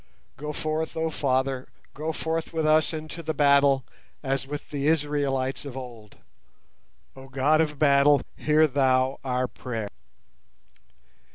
Go forth, oh Father, go forth with us into the battle, as with the Israelites of old. Oh God of battle, hear Thou our prayer!"